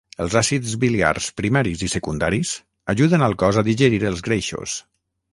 Els àcids biliars primaris i secundaris ajuden al cos a digerir els greixos.